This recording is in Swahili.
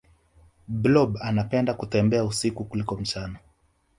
blob anapenda kutembea usiku kuliko mchana